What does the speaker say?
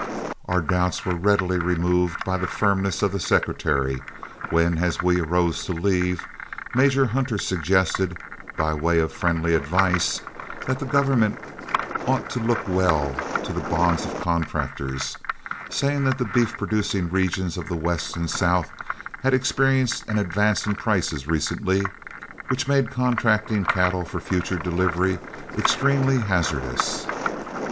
Our doubts were readily removed by the firmness of the Secretary when as we arose to leave, Major Hunter suggested, by way of friendly advice, that the government ought to look well to the bonds of contractors, saying that the beef producing regions of the West and South had experienced an advance in prices recently, which made contracting cattle for future delivery extremely hazardous.